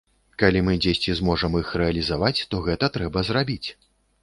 Калі мы дзесьці зможам іх рэалізаваць, то гэта трэба зрабіць.